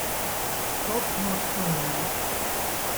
Scott MacDonald